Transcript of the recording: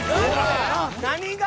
何が？